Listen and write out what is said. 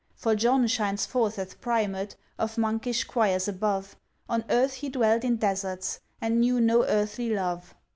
For John shines forth as Primate Of Monkish Choirs above, On earth he dwelt in deserts, And knew no earthly love.